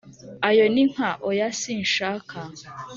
ayo ni nka: oya sinshaka!